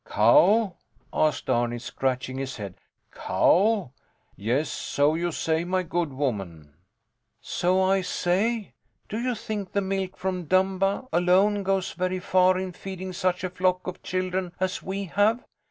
Cow? asked Arni, scratching his head. Cow? Yes, so you say, my good woman. So I say? Do you think the milk from Dumba alone goes very far in feeding such a flock of children as we have?